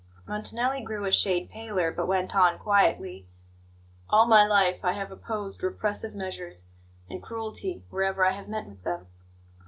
Montanelli grew a shade paler, but went on quietly: "All my life I have opposed repressive measures and cruelty wherever I have met with them.